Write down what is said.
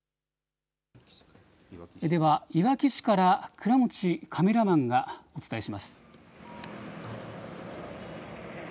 ではいわき市から倉持カメラマンがお伝えします。